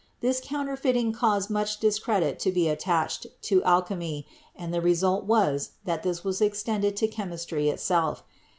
This counterfeiting caused much discredit to be attached to alchemy and the result was that this was extended to chemistry itself.